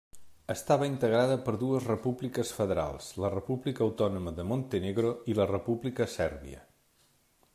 Estava integrada per dues repúbliques federals: la República Autònoma de Montenegro i la República Sèrbia.